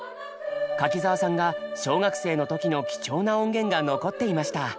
柿澤さんが小学生の時の貴重な音源が残っていました。